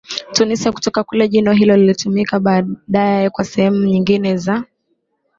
Tunisia Kutoka kule jina hilo lilitumika baadaye kwa sehemu nyingine za